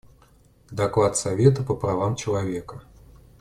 Доклад Совета по правам человека.